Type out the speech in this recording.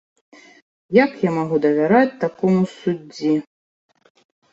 Як я магу давяраць такому суддзі?